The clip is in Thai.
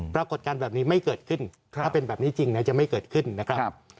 ปรากฏการณ์แบบนี้ไม่เกิดขึ้นถ้าเป็นแบบนี้จริงจะไม่เกิดขึ้นนะครับ